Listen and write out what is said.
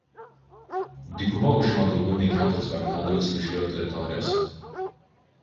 Dykuma užima daugiau nei keturis penktadalius Alžyro teritorijos.